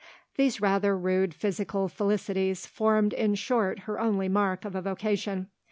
These rather rude physical felicities formed in short her only mark of a vocation.